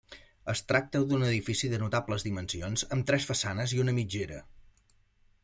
Es tracta d'un edifici de notables dimensions amb tres façanes i una mitgera.